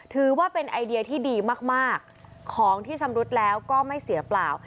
ถือว่าเป็นไอเดียที่ดีมากของที่ชำรุดแล้วก็ไม่เสียเปล่า